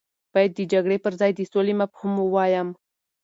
باید د جګړې پر ځای د سولې مفهوم ووایم.